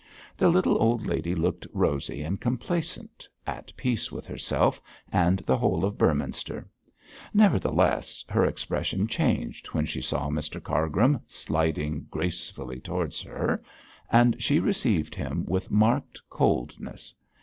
The little old lady looked rosy and complacent, at peace with herself and the whole of Beorminster. Nevertheless, her expression changed when she saw Mr Cargrim sliding gracefully towards her, and she received him with marked coldness.